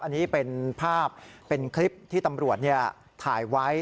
อันนี้เป็นภาพเป็นคลิปที่ตำรวจถ่ายไว้